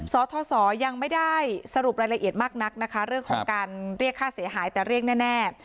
สทศยังไม่ได้สรุปรายละเอียดมากนักนะคะเรื่องของการเรียกค่าเสียหายแต่เรียกแน่